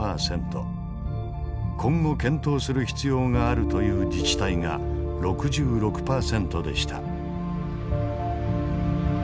「今後検討する必要がある」という自治体が６６％でした。